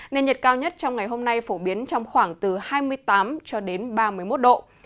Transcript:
nên nhiệt cao nhất trong ngày hôm nay phổ biến trong khoảng từ hai mươi tám ba mươi một độ